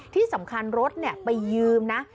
ที่สำคัญรถไปยืมนะ